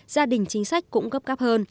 gia đình chính sách cũng gấp gấp hơn